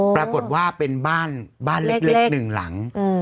ปรากฏว่าเป็นบ้านเล็กหนึ่งหลัง